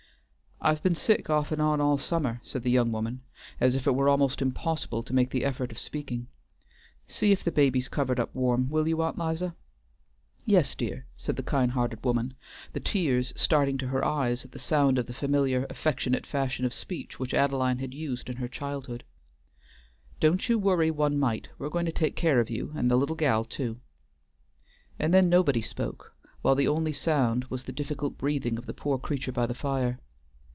"I've been sick off and on all summer," said the young woman, as if it were almost impossible to make the effort of speaking. "See if the baby's covered up warm, will you, Aunt 'Liza?" "Yes, dear," said the kind hearted woman, the tears starting to her eyes at the sound of the familiar affectionate fashion of speech which Adeline had used in her childhood. "Don't you worry one mite; we're going to take care of you and the little gal too;" and then nobody spoke, while the only sound was the difficult breathing of the poor creature by the fire.